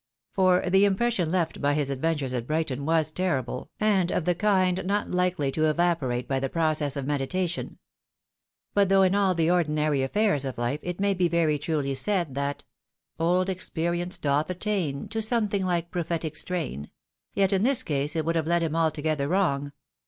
For the impression left by his adventures at Brighton was terrible, and of the kind not likely to evaporate by the process of medi tation. But though in all the ordinary affairs of hfe it may be very truly said, that — Old experifnce dolh attain To sometbirg like propheiic strain, yet in this case it would have led him altogether wrong.